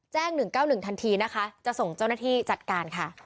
๑๙๑ทันทีนะคะจะส่งเจ้าหน้าที่จัดการค่ะ